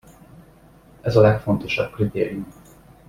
Ez a legfontosabb kritérium.